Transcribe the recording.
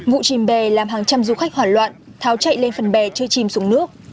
vụ chìm bè làm hàng trăm du khách hoảng loạn tháo chạy lên phần bè chơi chim xuống nước